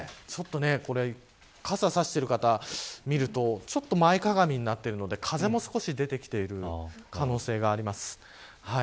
傘を差している方を見るとちょっと前かがみになっているので、風も少し出てきている可能性があります。